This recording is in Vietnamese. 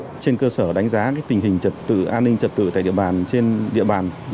trên cơ sở đánh giá tình hình trật tự an ninh trật tự trên địa bàn